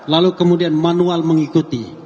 lalu kemudian manual mengikuti